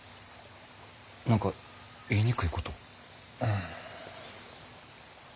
何か言いにくいこと？